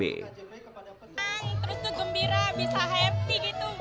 terus itu gembira bisa happy gitu bisa refreshing cukup